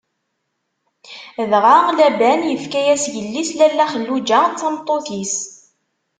Dɣa Laban ifka-as yelli-s Lalla Xelluǧa d tameṭṭut-is.